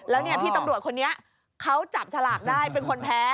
แล้วเนี่ยพี่ตำรวจคนนี้เขาจับฉลากได้เป็นคนแพ้